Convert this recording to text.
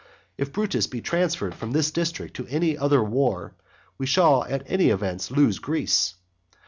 If Brutus be transferred from this district to any other war, we shall at all events lose Greece.